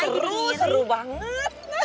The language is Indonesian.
seru seru banget